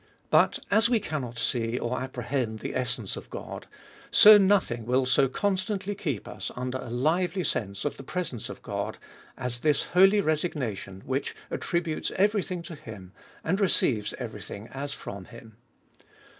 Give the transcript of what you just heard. y2 324 A SERIOUS CALL TO A Biitj as we cannot see or apprehend the essence of God ; so nothing will so constantly keep us under a lively sense of the presence of God, as this holy resig nation, which attributes every thing to him, and re ceives every thing as from him.